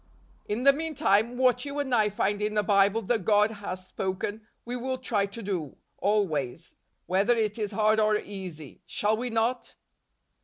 10. "In the meantime, what you and I find in the Bible that God has spoken, we will try to do, always : whether it is hard or easy. Shall we not